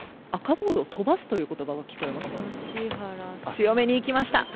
強めにいきました。